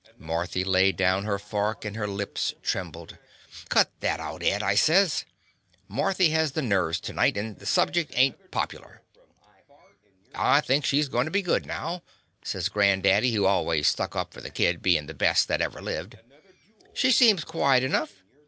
Marthy laid down her fork, and her lips trembled. "Cut that out, Ed," I says. "Mar thy has the nerves to night; the sub ject ain't popular." "I think she 's goin' to be good The Confessions of a Daddy now/' says grand daddy, who always stuck up for the kid bein' the best that ever lived. "She seems quiet enough.